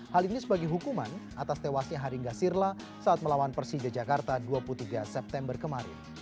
hal ini sebagai hukuman atas tewasnya haringga sirla saat melawan persija jakarta dua puluh tiga september kemarin